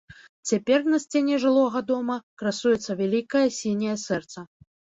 Цяпер на сцяне жылога дома красуецца вялікае сіняе сэрца.